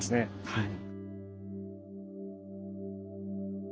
はい。